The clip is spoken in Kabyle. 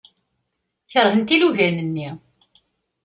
Keṛhent ilugan-nni.